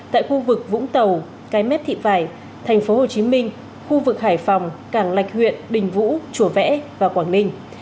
tại khu vực vũng tàu cái mép thị vải tp hcm khu vực hải phòng cảng lạch huyện đình vũ chùa vẽ và quảng ninh